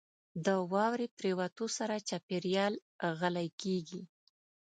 • د واورې پرېوتو سره چاپېریال غلی کېږي.